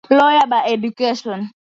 Lawyer by education.